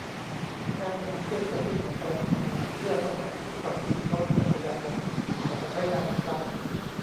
แพทย์นำเครื่องกระตุ้นหัวใจออกมาเพื่อทำให้ผู้ขับขี่รถจักรยานยนต์กลับมาใช้งานอีกครั้ง